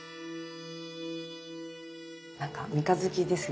なんか三日月ですよ